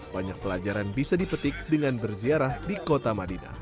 banyak pelajaran bisa dipetik dengan berziarah di kota madinah